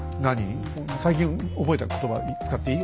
最近覚えた言葉使っていい？